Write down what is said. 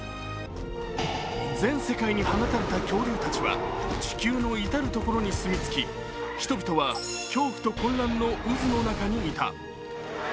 全世界に放たれた恐竜たちは地球の至る所に住みつき、人々は恐怖と混乱の渦の中にいた。